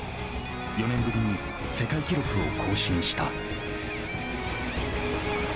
４年ぶりに世界記録を更新した。